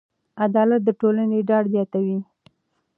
عدالت د ټولنې ډاډ زیاتوي.